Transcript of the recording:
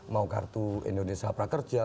mau kartu indonesia prakerja